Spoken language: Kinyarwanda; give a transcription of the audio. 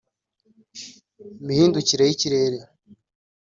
imihindukire y’ikirere